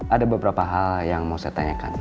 ada beberapa hal yang mau saya tanyakan